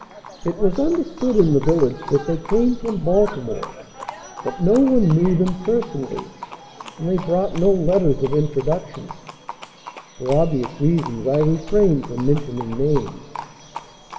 It was understood in the village that they came from Baltimore; but no one knew them personally, and they brought no letters of introduction. (For obvious reasons, I refrain from mentioning names.)